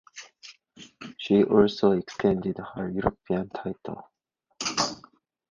She also extended her European title.